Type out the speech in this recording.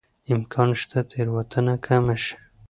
امکان شته تېروتنه کمه شي.